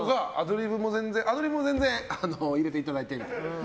アドリブも全然入れていただいてみたいな。